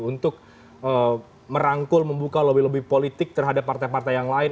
untuk merangkul membuka lebih lebih politik terhadap partai partai yang lain